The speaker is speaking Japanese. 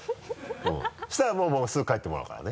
うんそうしたらもうすぐ帰ってもらうからね。